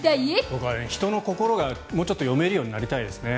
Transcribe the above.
僕は人の心がもうちょっと読めるようになりたいですね。